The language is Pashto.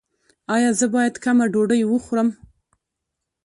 ایا زه باید کمه ډوډۍ وخورم؟